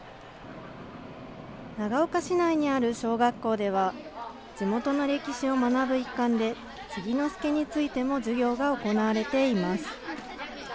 長岡市内にある小学校では、地元の歴史を学ぶ一環で、継之助についても授業が行われています。